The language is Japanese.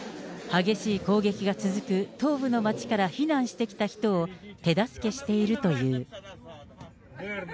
激しい攻撃が続く東部の町から避難してきた人を、手助けしているという。